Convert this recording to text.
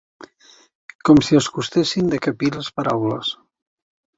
Com si els costessin de capir les paraules